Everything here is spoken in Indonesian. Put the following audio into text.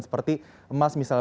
seperti emas misalnya